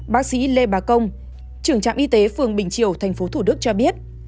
bác sĩ lê bà công trưởng trạm y tế phường bình triều tp thủ đức cho biết